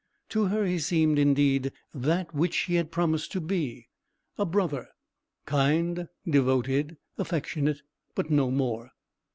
To her he seemed, indeed, that which he had promised to be, a brother—kind, devoted, affectionate: but no more.